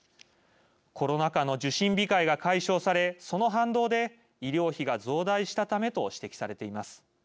コロナ禍の受診控えが解消されその反動で、医療費が増大したためと指摘されています。